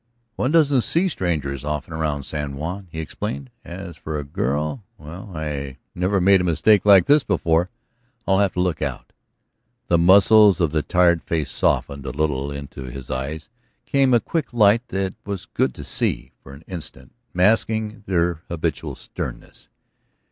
"One doesn't see strangers often around San Juan," he explained. "As for a girl ... Well, I never made a mistake like this before. I'll have to look out." The muscles of the tired face softened a little, into his eyes came a quick light that was good to see, for an instant masking their habitual sternness.